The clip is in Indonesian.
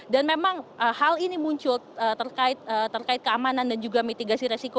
dan memang hal ini muncul terkait keamanan dan juga mitigasi resiko